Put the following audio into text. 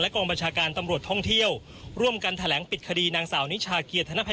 กองบัญชาการตำรวจท่องเที่ยวร่วมกันแถลงปิดคดีนางสาวนิชาเกียรธนภัย